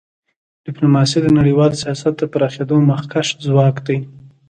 ډیپلوماسي د نړیوال سیاست د پراخېدو مخکښ ځواک دی.